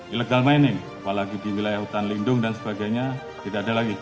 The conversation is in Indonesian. illegal mining apalagi di wilayah hutan lindung dan sebagainya tidak ada lagi